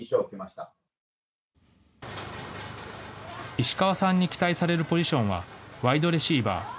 石川さんに期待されるポジションは、ワイドレシーバー。